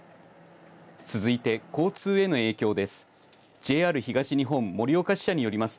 続いて交通への影響です。